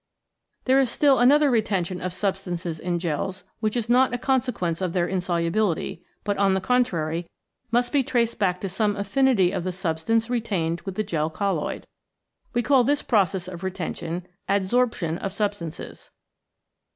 There is still another retention of substances in gels which is not a consequence of their insolubility, but, on the contrary, must be traced back to some affinity of the substance retained with the gel colloid. We call this process of retention Adsorption of Substances.